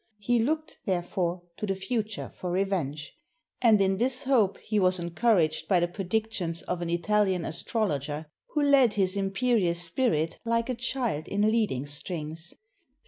He looked, therefore, to the future for revenge; and in this hope he was encouraged by the predictions of an Italian astrologer, who led his imperious spirit like a child in leading strings.